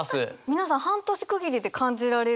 皆さん半年区切りで感じられる？